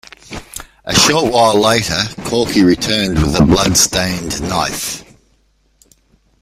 A short while later, Corky returns with a bloodstained knife.